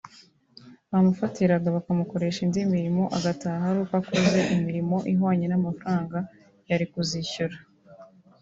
bamufatiraga bakamokoresha indi mirimo agataha ari uko akoze imirimo ihwanye n’amafaranga yari kuzishyura